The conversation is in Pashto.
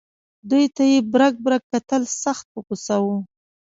دوی ته یې برګ برګ کتل سخت په غوسه و.